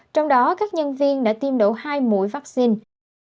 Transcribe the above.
trong đó các nhân viên đã tiêm đổ hai mũi vaccine